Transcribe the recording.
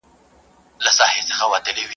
هغه ساعت، هغه مصلحت.